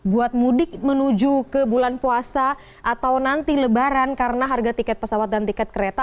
buat mudik menuju ke bulan puasa atau nanti lebaran karena harga tiket pesawat dan tiket kereta